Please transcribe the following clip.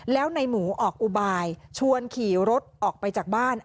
แล้วในหมูออกอุบายชวนขี่รถออกไปจากบ้าน